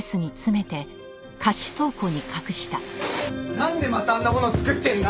なんでまたあんなものを作ってるんだ！？